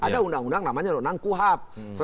ada undang undang namanya undang undang kuhp